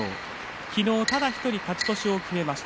昨日ただ１人勝ち越しを決めました。